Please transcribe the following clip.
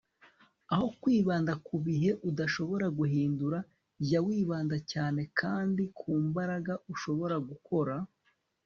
aho kwibanda ku bihe udashobora guhindura - jya wibanda cyane kandi ku mbaraga ushobora gukora